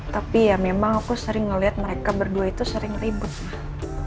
tapi ya memang aku sering ngeliat mereka berdua itu sering ribut mah